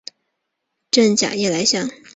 滇假夜来香